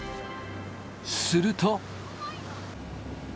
すると。